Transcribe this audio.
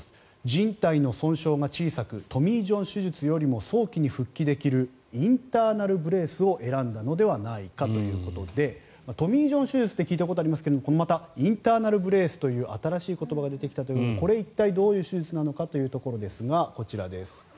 じん帯の損傷が小さくトミー・ジョン手術よりも早期に復帰できるインターナル・ブレースを選んだのではないかということでトミー・ジョン手術って聞いたことありますけどこのまたインターナル・ブレースという新しい言葉が出てきたということこれは一体どういう手術なのかというところですがこちらです。